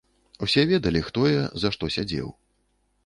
Усе ведалі хто я, за што сядзеў.